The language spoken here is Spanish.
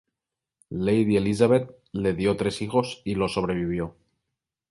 Lady Elizabeth le dio tres hijos y lo sobrevivió.